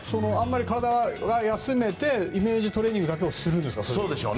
体は休めてイメージトレーニングだけするんでしょうか。